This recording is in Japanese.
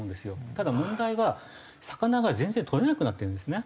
ただ問題は魚が全然とれなくなってるんですね。